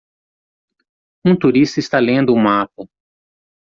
Um turista está lendo um mapa.